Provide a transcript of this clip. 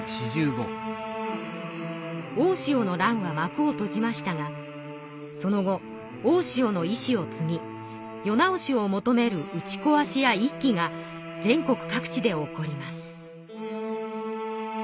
大塩の乱はまくをとじましたがその後大塩の遺志をつぎ世直しを求める打ちこわしや一揆が全国各地で起こります。